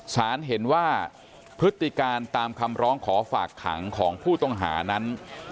สารเห็นว่าพฤติการตามคำร้องขอฝากขังของผู้ต้องหานั้น